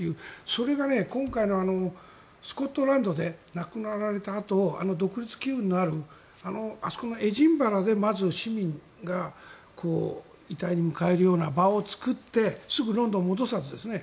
それが今回のスコットランドで亡くなられたあと独立機運のあるあそこのエディンバラでまず、市民が遺体に向かえるような場を作ってすぐロンドンに戻さずですね。